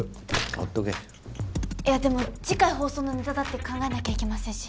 いやでも次回放送のネタだって考えなきゃいけませんし。